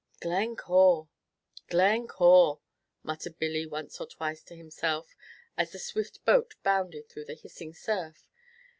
"Glencore Glencore!" muttered Billy once or twice to himself, as the swift boat bounded through the hissing surf.